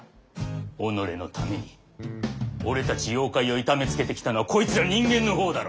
己のために俺たち妖怪を痛めつけてきたのはこいつら人間の方だろ！